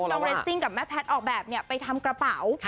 เรสซิ่งกับแม่แพทย์ออกแบบไปทำกระเป๋า